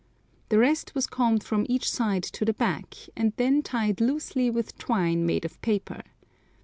The rest was combed from each side to the back, and then tied loosely with twine made of paper.